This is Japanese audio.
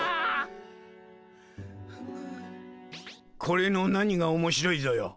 これの何が面白いぞよ？